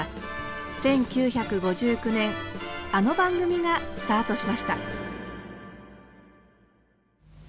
１９５９年あの番組がスタートしました